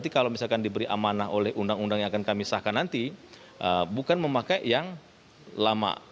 kalau misalkan diberi amanah oleh undang undang yang akan kami sahkan nanti bukan memakai yang lama